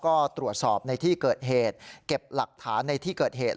ก็ตรวจสอบในที่เกิดเหตุเก็บหลักฐานในที่เกิดเหตุ